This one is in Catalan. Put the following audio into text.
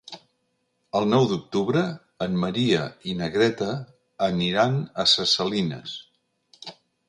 El nou d'octubre en Maria i na Greta aniran a Ses Salines.